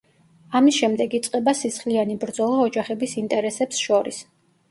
ამის შემდეგ იწყება სისხლიანი ბრძოლა ოჯახების ინტერესებს შორის.